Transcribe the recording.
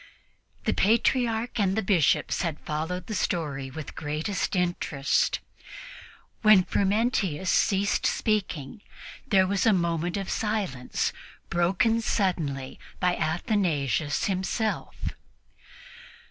The Patriarch and the Bishops had followed the story with the greatest interest. When Frumentius ceased speaking, there was a moment of silence, broken suddenly by Athanasius himself.